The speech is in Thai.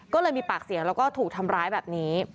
ก็เลยมีปากเสียงแล้วก็ถูกทำร้ายแบบนี้